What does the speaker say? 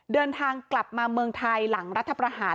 เดินทางกลับมาเมืองไทยหลังรัฐประหาร